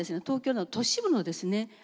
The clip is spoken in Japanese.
東京の都市部のですね